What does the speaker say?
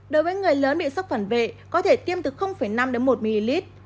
đối với người lớn bị sốc phản vệ có thể tiêm từ năm đến một ml